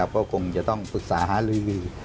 ก็คงจะต้องปรึกษาหาลือ